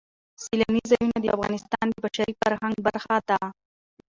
سیلاني ځایونه د افغانستان د بشري فرهنګ برخه ده.